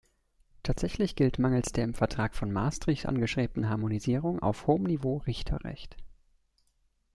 Tatsächlich gilt mangels der im Vertrag von Maastricht angestrebten Harmonisierung auf hohem Niveau Richterrecht.